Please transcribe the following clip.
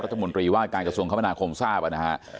รัฐมนตรีว่าการกระทรวงคมนาคมทราบนะฮะ